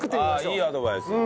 いいアドバイス。